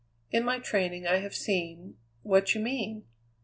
"In my training I have seen what you mean.